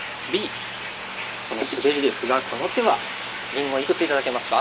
このスベリですがこの手はりんごいくつ頂けますか？